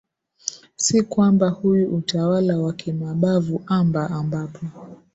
si kwamba huyu utawala wa kimabavu amba ambapo